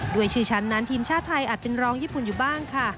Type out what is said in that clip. ด้วยชื่อแชมป์นั้นทีมชาติไทยอาจเป็นรองญี่ปุ่นอยู่บ้างค่ะ